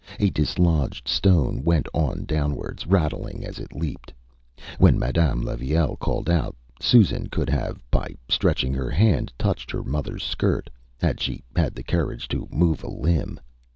A dislodged stone went on downwards, rattling as it leaped. When Madame Levaille called out, Susan could have, by stretching her hand, touched her motherÂs skirt, had she had the courage to move a limb.